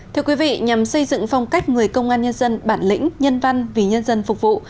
thưa quý vị nhằm xây dựng phong cách người công an nhân dân bản lĩnh nhân văn vì nhân dân phục vụ